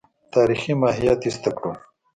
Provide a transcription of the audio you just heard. تاریخي ماهیت ایسته کړو.